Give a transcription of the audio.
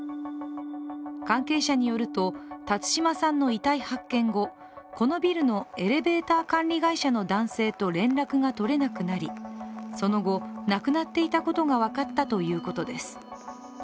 関係者によると辰島さんの遺体発見後、このビルのエレベーター管理会社の男性と連絡が取れなくなりその後、亡くなっていたことが分かったということです。